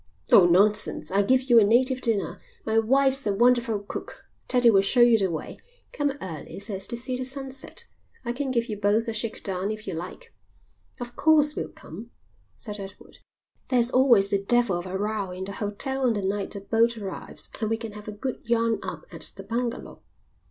"Oh, nonsense. I'll give you a native dinner. My wife's a wonderful cook. Teddie will show you the way. Come early so as to see the sunset. I can give you both a shake down if you like." "Of course we'll come," said Edward. "There's always the devil of a row in the hotel on the night a boat arrives and we can have a good yarn up at the bungalow."